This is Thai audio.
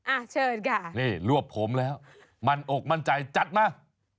อ่ะเชิญค่ะนี่รวบผมแล้วมั่นอกมั่นใจจัดมา